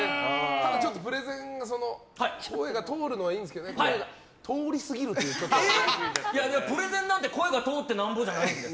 ただ、ちょっとプレゼンの声が通るのはいいんですけどプレゼンなんて声が通ってなんぼじゃないですか？